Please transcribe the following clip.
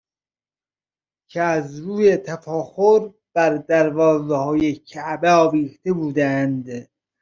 که از روی تفاخر بر دروازه های کعبه آویخته بودند